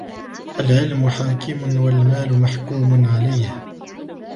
الْعِلْمُ حَاكِمٌ وَالْمَالُ مَحْكُومٌ عَلَيْهِ